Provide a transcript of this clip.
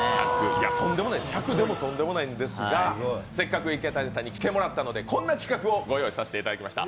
いや、１００でもとんでもないんですが、せっかく池谷さんに来てもらったのでこんな企画をご用意いたしました。